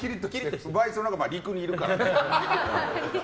バイソンのほうが陸にいるからね。